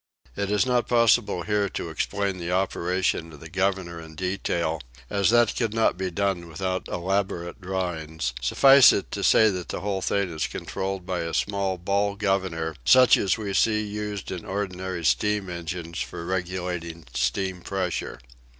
It is not possible here to explain the operation of the governor in detail, as that could not be done without elaborate drawings; suffice it to say that the whole thing is controlled by a small ball governor such as we see used in ordinary steam engines for regulating steam pressure.